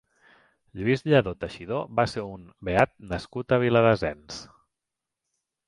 Lluís Lladó Teixidor va ser un beat nascut a Viladasens.